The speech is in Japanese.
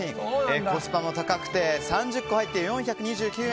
コスパも高くて３０個入って４２９円